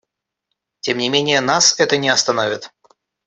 Тем не менее нас это не остановит.